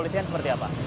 polisi kan seperti apa